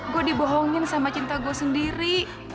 gua dibohongin sama cinta gua sendiri